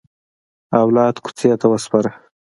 اولاد کوڅې ته وسپاره.